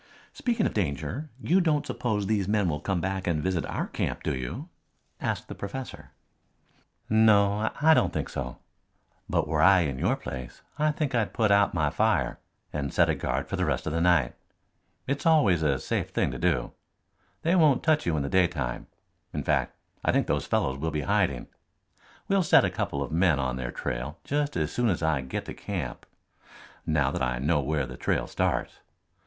"Speaking of danger, you don't suppose these men will come back and visit our camp, do you?" asked the professor. "No, I don't think so. But were I in your place I think I'd put out my fire and set a guard for the rest of the night. It's always a safe thing to do. They won't touch you in the daytime; in fact, I think those fellows will be hiding. We'll set a couple of men on their trail just as soon as I get to camp; now that I know where the trail starts.